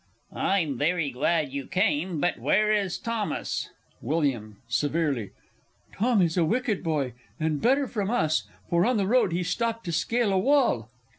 _ I'm very glad you came but where is Thomas? Wm. (severely). Tom is a wicked boy, and better from us, For on the road he stopped to scale a wall!...